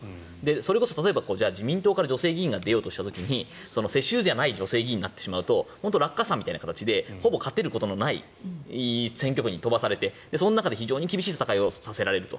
それこそ、自民党から女性議員が出ようとした時に世襲じゃない女性議員になってしまうと落下傘みたいな形でほぼ勝てることのない選挙区に飛ばされてその中で非常に厳しい戦いを強いられると。